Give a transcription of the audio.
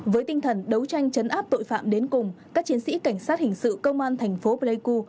với tinh thần đấu tranh chấn áp tội phạm đến cùng các chiến sĩ cảnh sát hình sự công an thành phố pleiku